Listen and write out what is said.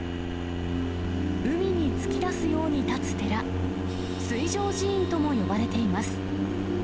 海に突き出すように建つ寺、水上寺院とも呼ばれています。